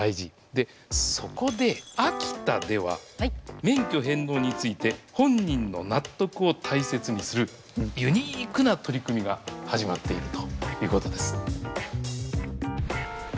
でそこで秋田では免許返納について本人の納得を大切にするユニークな取り組みが始まっているということです。